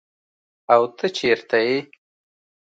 او ته چیرته ئي ؟